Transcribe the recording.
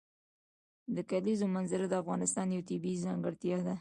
د کلیزو منظره د افغانستان یوه طبیعي ځانګړتیا ده.